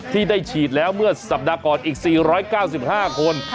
ที่ได้ฉีดแล้วเมื่อสัปดาห์ก่อนอีก๔๙๕คน